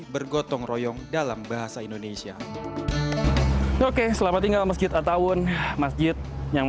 bergotong royong dalam bahasa indonesia oke selamat tinggal masjid attawun masjid yang